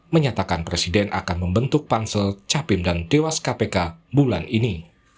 menyatakan presiden akan membentuk pansel capim dan dewas kpk bulan ini